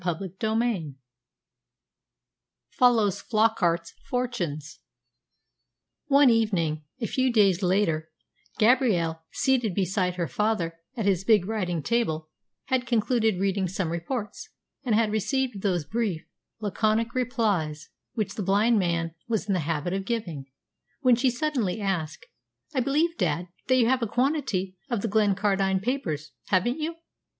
CHAPTER XV FOLLOWS FLOCKART'S FORTUNES One evening, a few days later, Gabrielle, seated beside her father at his big writing table, had concluded reading some reports, and had received those brief, laconic replies which the blind man was in the habit of giving, when she suddenly asked, "I believe, dad, that you have a quantity of the Glencardine papers, haven't you?